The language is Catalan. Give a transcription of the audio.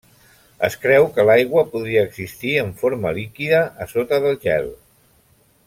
Es creu que l'aigua podria existir en forma líquida a sota del gel.